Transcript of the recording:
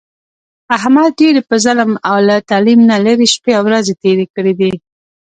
احمد ډېرې په ظلم، له تعلیم نه لرې شپې او ورځې تېرې کړې دي.